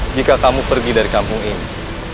jika kamu pergi dari kampung ini